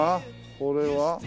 これは？